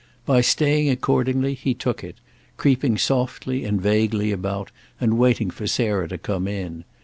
By staying, accordingly, he took it—creeping softly and vaguely about and waiting for Sarah to come in.